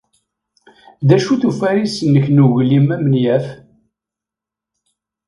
D acu-t ufaris-nnek n uglim amenyaf?